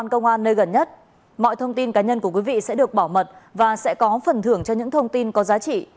các thông tin cá nhân của quý vị sẽ được bảo mật và sẽ có phần thưởng cho những thông tin có giá trị